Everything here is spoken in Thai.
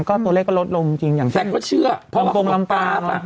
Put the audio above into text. ก็ตัวเลขก็ลดลงจริงอย่างนี้แสดงว่าเชื่อเพราะว่าของกลมปลาปลา